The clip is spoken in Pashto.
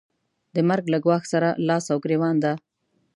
د مرګ له ګواښ سره لاس او ګرېوان ده.